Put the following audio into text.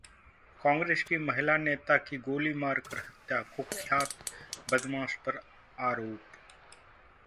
कांग्रेस की महिला नेता की गोली मारकर हत्या, कुख्यात बदमाश पर आरोप